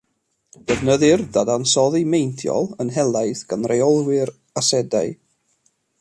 Defnyddir dadansoddi meintiol yn helaeth gan reolwyr asedau.